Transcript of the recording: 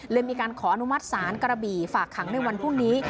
มีการขออนุมัติศาลกระบี่ฝากขังในวันพรุ่งนี้